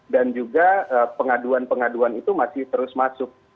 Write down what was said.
dan juga pengaduan pengaduan itu masih terus masuk